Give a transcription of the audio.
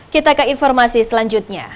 kita ke informasi selanjutnya